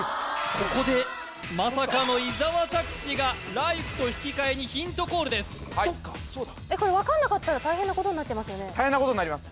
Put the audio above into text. ここでまさかの伊沢拓司がライフと引き換えにヒントコールですこれ分かんなかったら大変なことになっちゃいますよね大変なことになります